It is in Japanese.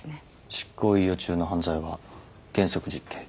執行猶予中の犯罪は原則実刑。